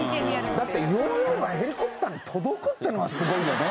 だってヨーヨーがヘリコプターに届くっていうのがすごいよね。